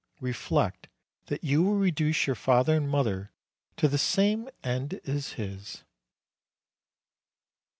Reflect that you will reduce your father and mother to the same end as his."